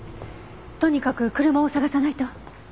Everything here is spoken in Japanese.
とにかく車を捜さないと。